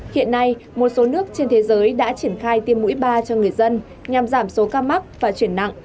hiện nay một số nước trên thế giới đã triển khai tiêm mũi ba cho người dân nhằm giảm số ca mắc và chuyển nặng